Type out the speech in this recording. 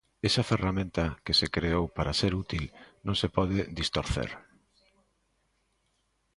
Esa ferramenta que se creou para ser útil, non se pode distorcer.